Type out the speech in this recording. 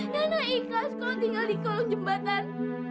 yana ikas kalau tinggal di kolong jembatan